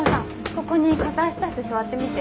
ここに片足出して座ってみて。